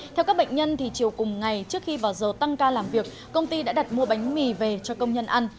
theo các bệnh nhân thì chiều cùng ngày trước khi vào giờ tăng ca làm việc công ty đã đặt mua bánh mì về cho công nhân ăn